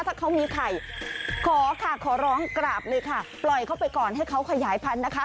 ถ้าเขามีไข่ขอค่ะขอร้องกราบเลยค่ะปล่อยเข้าไปก่อนให้เขาขยายพันธุ์นะคะ